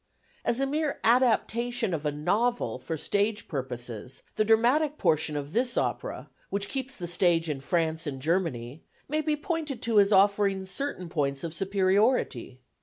As a mere adaptation of a novel for stage purposes, the dramatic portion of this opera, which keeps the stage in France and Germany, may be pointed to as offering certain points of superiority.